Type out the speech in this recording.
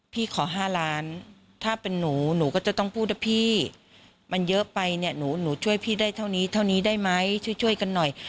พี่ขอ๕ล้านถ้าเป็นหนูหนูก็จะต้องพูดนะพี่มันเยอะไปเนี่ยหนูช่วยพี่ได้เท่านี้เท่านี้ได้ไหมช่วยกันหน่อย